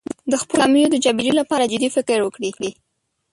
د خپلو کمیو د جبېرې لپاره جدي فکر وکړي.